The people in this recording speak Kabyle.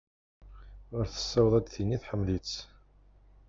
Ur tessaweḍ ad tini tḥemmel-it.